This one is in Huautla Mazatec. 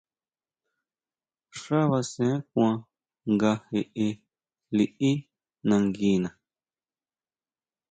Xá basen kuan nga jeʼe liʼí nanguina.